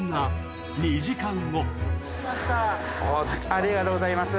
ありがとうございます。